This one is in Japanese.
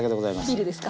ビールですか？